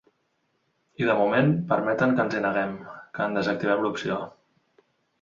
I de moment permeten que ens hi neguem, que en desactivem l’opció.